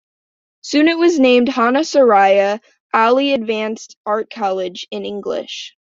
Soon it was named Honarsaraye Ali-Advanced Art College in English.